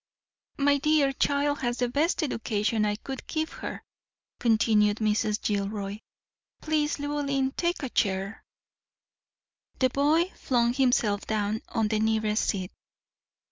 "My dear child has the best education I could give her," continued Mrs. Gilroy. "Please, Llewellyn, take a chair." The boy flung himself down on the nearest seat.